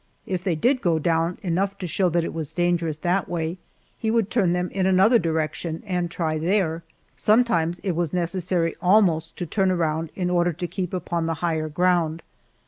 If they did go down enough to show that it was dangerous that way, he would turn them in another direction and try there. Sometimes it was necessary almost to turn around in order to keep upon the higher ground.